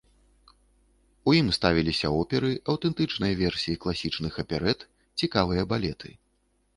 У ім ставіліся оперы, аўтэнтычныя версіі класічных аперэт, цікавыя балеты.